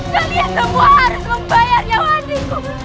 kalian semua harus membayar yang andi ku